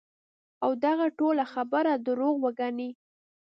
او دغه ټوله خبره دروغ وګڼی -